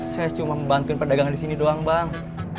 saya cuma membantuin pedagang di sini doang bang